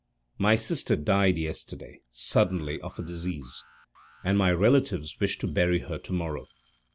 My sister died yesterday suddenly of a disease, and my relatives wish to bury her to morrow.